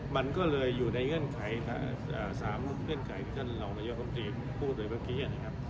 มันก็เลยอยู่ในเงื่อนไข๓เงื่อนไขที่หลงตัววีดีโอบรุษคงพูดด้วยเมื่อกี้